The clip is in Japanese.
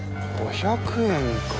５００円か。